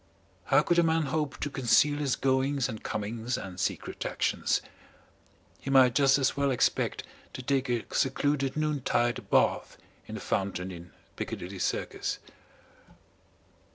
How could a man hope to conceal his goings and comings and secret actions? He might just as well expect to take a secluded noontide bath in the fountain in Piccadilly Circus.